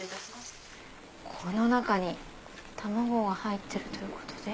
この中に卵が入ってるということで。